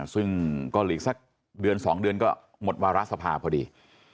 ซึ่งก็หลีกสักเดือน๒เดือนก็หมดวาระสภาพอดี